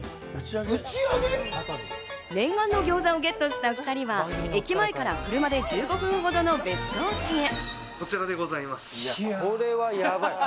念願のギョーザをゲットした２人は駅前から車で１５分ほどの別荘地へ。